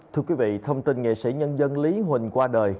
thưa quý vị thông tin nghệ sĩ nhân dân lý huỳnh qua đời